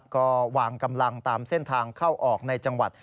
ก็วางกำลังตามเส้นทางเข้าออกในจังหวัด